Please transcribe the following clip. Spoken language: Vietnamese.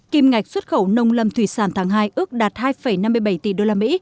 kim ngạch xuất khẩu nông lâm thủy sản tháng hai ước đạt hai năm mươi bảy tỷ usd